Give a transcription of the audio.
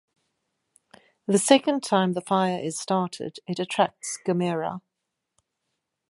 The second time the fire is started, it attracts Gamera.